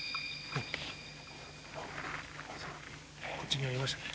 こっちにありましたね。